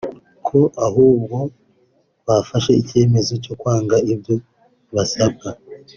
ko ahubwo bafashe icyemezo cyo kwanga ibyo basabwa